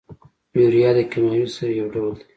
یوریا د کیمیاوي سرې یو ډول دی.